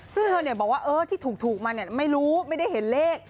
ซึ่งเธอบอกว่าที่ถูกมาไม่รู้ไม่ได้เห็นเลข